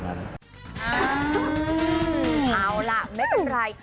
อ่าละไม่เป็นไร